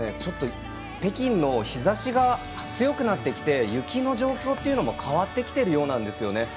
北京の日ざしが強くなってきて雪の状況も変わってきてるようなんですよね。